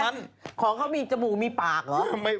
ทำไมของเขามีจบูมีปากเหรอ